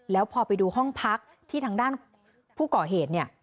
แล้วพอไปดูห้องพักที่ทางด้านผู้ก่อเหตุเนี่ย